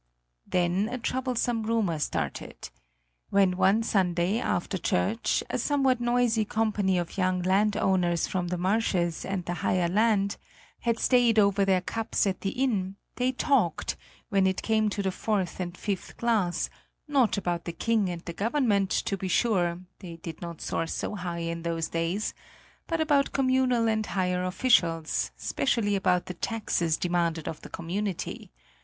Then a troublesome rumor started. When one Sunday, after church, a somewhat noisy company of young landowners from the marshes and the higher land had stayed over their cups at the inn, they talked, when it came to the fourth and fifth glass, not about the king and the government, to be sure they did not soar so high in those days but about communal and higher officials, specially about the taxes demanded of the community.